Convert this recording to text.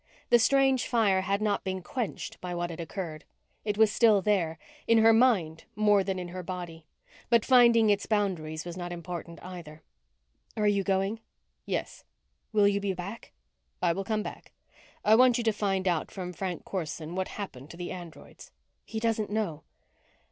The strange fire had not been quenched by what had occurred. It was still there, in her mind more than in her body, but finding its boundaries was not important either. "Are you going?" "Yes." "Will you come back?" "I will come back. I want you to find out from Frank Corson what happened to the androids." "He doesn't know."